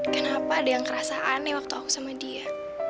kenapa ada yang kerasa aneh waktu aku sama dia